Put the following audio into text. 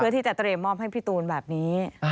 เพื่อที่จะเตรียมมอบให้พี่ตูนแบบนี้